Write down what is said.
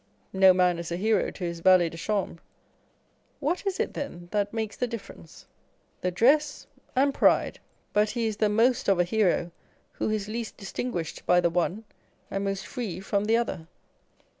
No man is a hero to his valet de chambre. What is it, then, that makes the difference? The dress and pride. But he is the On Egotism. 231 most of a hero who is least distinguished by the one, and most free from the other.